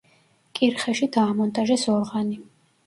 კირხეში დაამონტაჟეს ორღანი.